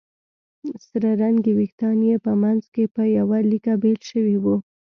سره رنګي وېښتان یې په منځ کې په يوه ليکه بېل شوي وو